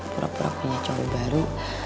pura pura punya cowok baru